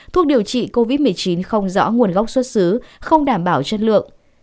thuốc điều trị covid một mươi chín không rõ nguồn gốc xuất xứ không đảm bảo chất lượng